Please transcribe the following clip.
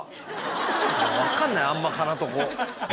分かんないあんま「かなとこ」。